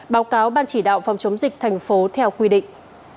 báo cáo ban chỉ đạo phòng chống dịch thành phố theo quy định